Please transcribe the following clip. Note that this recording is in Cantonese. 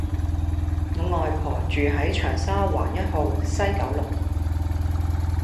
我外婆住喺長沙灣一號·西九龍